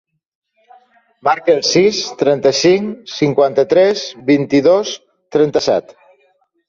Marca el sis, trenta-cinc, cinquanta-tres, vint-i-dos, trenta-set.